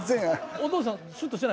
お父さんシュッとしてない？